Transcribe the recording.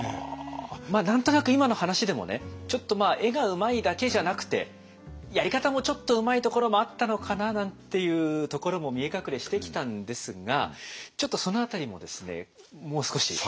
まあ何となく今の話でもねちょっと絵がうまいだけじゃなくてやり方もちょっとうまいところもあったのかななんていうところも見え隠れしてきたんですがちょっとその辺りももう少し。